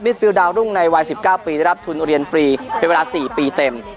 ฟิลดาวรุ่งในวัย๑๙ปีได้รับทุนเรียนฟรีเป็นเวลา๔ปีเต็ม